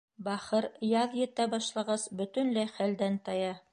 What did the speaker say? Бахыр, яҙ етә башлағас, бөтөнләй хәлдән тая.